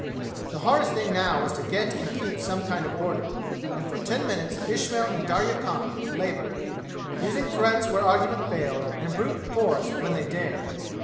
The hardest thing now was to get and keep some kind of order, and for ten minutes Ismail and Darya Khan labored, using threats where argument failed, and brute force when they dared.